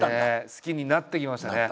好きになってきましたね。